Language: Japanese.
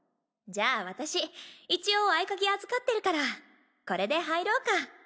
じゃあ私一応合い鍵預かってるからこれで入ろうか。